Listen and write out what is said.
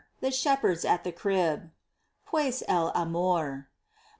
THE SHEPHERDS AT THE CRIB. Pues el amor.